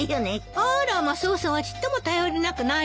あらマスオさんはちっとも頼りなくないわよ。